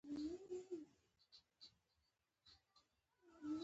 ځینې محصلین له تحقیق سره مینه لري.